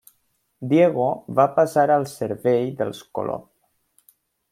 Diego va passar al servei dels Colom.